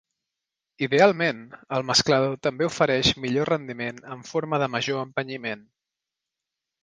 Idealment, el mesclador també ofereix millor rendiment en forma de major empenyiment.